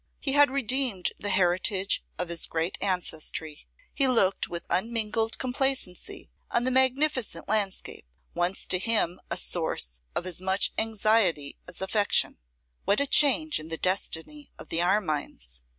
He had redeemed the heritage of his great ancestry; he looked with unmingled complacency on the magnificent landscape, once to him a source of as much anxiety as affection. What a change in the destiny of the Armines!